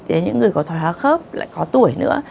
để những người có thoái hóa khớp lại có tuổi nữa